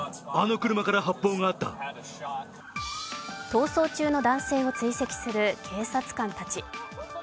逃走中の男性を追跡する警察官たち。